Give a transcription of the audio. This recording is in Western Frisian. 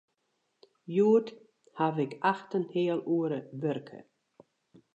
Hjoed haw ik acht en in heal oere wurke.